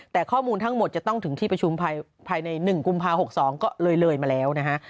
แต่ข้อมูลทั้งหมดจะต้องถึงที่ประชุมภายใน๑กุมภา๖๒ก็เลยเลยมาแล้วนะฮะ